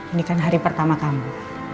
ini kan hari pertama kamu